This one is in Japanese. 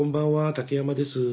竹山です。